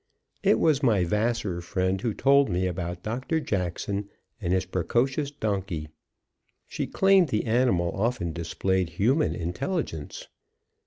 It was my Vassar friend who told me about Dr. Jackson and his precocious donkey; she claimed the animal often displayed human intelligence.